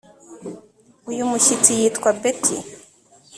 uyu mushyitsi yitwa betty,